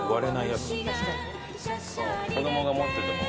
子供が持ってても。